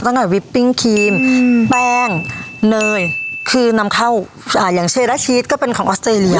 ตั้งแต่วิปปิ้งครีมแป้งเนยคือนำเข้าอ่าอย่างเชลล์และชีสก็เป็นของออสเตรเลีย